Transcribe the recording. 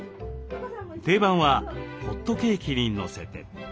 定番はホットケーキにのせて。